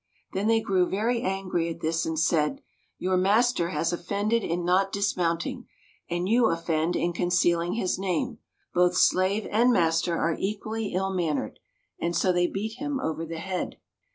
Then they grew very angry at this, and said, "Your master has offended in not dismounting, and you offend in concealing his name. Both slave and master are equally ill mannered." And so they beat him over the head.